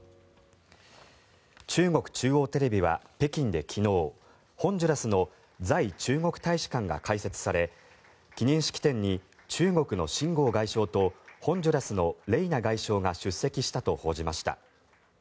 中国中央テレビは北京で昨日ホンジュラスの在中国大使館が開設され記念式典に中国の秦剛外相とホンジュラスのレイナ外相が出席したと報じました。